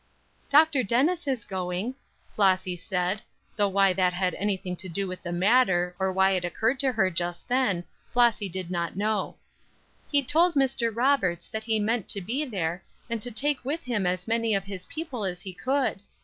"Dr. Dennis is going," Flossy said, though why that had anything to do with the matter, or why it occurred to her just then, Flossy did not know. "He told Mr. Roberts that he meant to be there, and to take with him as many of his people as he could.